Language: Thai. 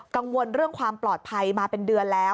กังวลเรื่องความปลอดภัยมาเป็นเดือนแล้ว